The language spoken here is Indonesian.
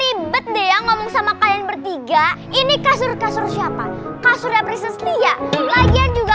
sebet de yang ngomong sama kalian bertiga ini kasur kasur siapa kasur prinses lia lagi juga